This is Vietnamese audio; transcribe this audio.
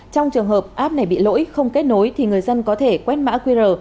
trong trường hợp app này bị lỗi không kết nối thì người dân có thể quét mã qr